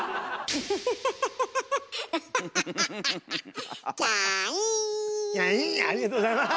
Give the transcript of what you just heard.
キャインありがとうございます。